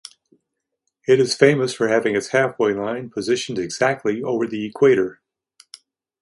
It is famous for having its halfway line positioned exactly over the Equator.